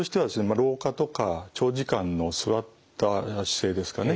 老化とか長時間の座った姿勢ですかね